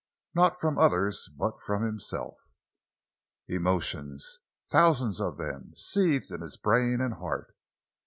Not from others, but from himself. Emotions—thousands of them seethed in his brain and heart.